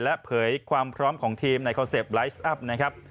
และเผยความพร้อมของทีมในคอนเซปไลท์อัพ